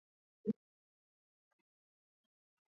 გარეკანის დიზაინის ავტორია ჯანი ვერსაჩე.